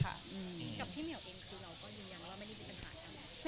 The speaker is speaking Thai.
กับพี่เหมียวเองคือเราก็ยืนยันว่าเราไม่มีปัญหาทั้งนั้น